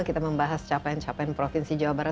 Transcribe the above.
kita membahas capaian capaian provinsi jawa barat